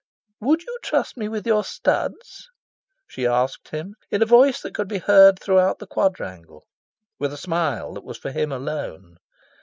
"Would you trust me with your studs?" she asked him, in a voice that could be heard throughout the quadrangle, with a smile that was for him alone.